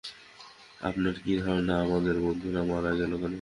আপনার কি ধারনা আমাদের বন্ধুরা মারা গেল কেন?